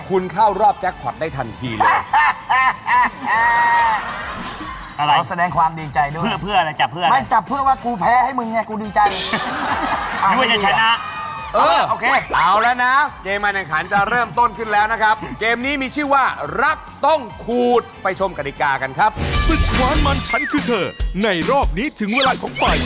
ขุนเข้ารอบแจ๊คควัรได้ทันทีเลย